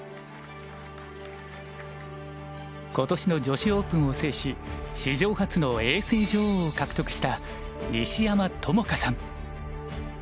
今年の女子オープンを制し史上初の永世女王を獲得した西山朋佳さん。